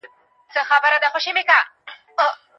فارابي تعليم مهم ګڼي.